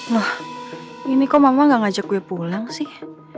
wah ini kok mama gak ngajak gue pulang sih